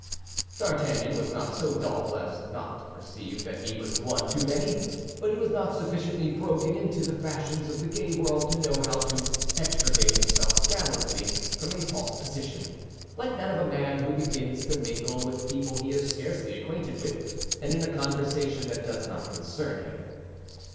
D'Artagnan was not so dull as not to perceive that he was one too many; but he was not sufficiently broken into the fashions of the gay world to know how to extricate himself gallantly from a false position, like that of a man who begins to mingle with people he is scarcely acquainted with and in a conversation that does not concern him.